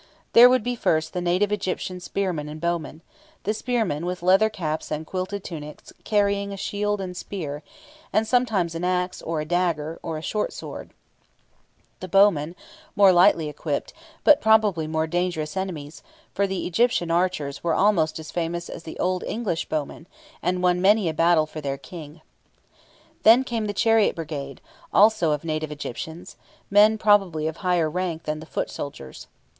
There would be first the native Egyptian spearmen and bowmen the spearmen with leather caps and quilted leather tunics, carrying a shield and spear, and sometimes an axe, or a dagger, or short sword the bowmen, more lightly equipped, but probably more dangerous enemies, for the Egyptian archers were almost as famous as the old English bowmen, and won many a battle for their King. Then came the chariot brigade, also of native Egyptians, men probably of higher rank than the foot soldiers.